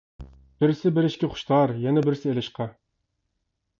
بىرسى بېرىشكە خۇشتار، يەنە بىرسى ئېلىشقا.